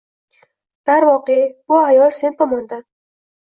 Darvoqe, bu ayol sen tomondan.